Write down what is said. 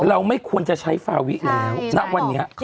เราไม่ควรจะใช้ฟาวิแล้ว